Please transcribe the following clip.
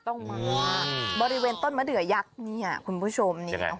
ต้นมะเดือยักษ์บริเวณต้นมะเดือยักษ์นี่คุณผู้ชม